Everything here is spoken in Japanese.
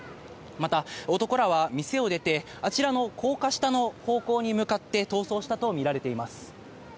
また男らは店を出て、あちらの高架下の方向に向かって逃走したと見られています。